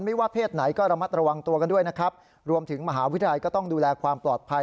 ว่าเพศไหนก็ระมัดระวังตัวกันด้วยนะครับรวมถึงมหาวิทยาลัยก็ต้องดูแลความปลอดภัย